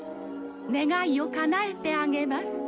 願いをかなえてあげます。